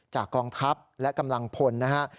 กองทัพและกำลังพลนะฮะ